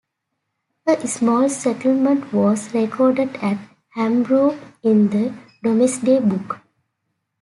A small settlement was recorded at Hambrook in the Domesday Book.